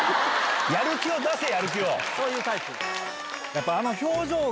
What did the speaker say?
そういうタイプ。